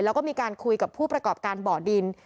แล้วก็มีการคุยกับผู้ประกอบการบ่อดิน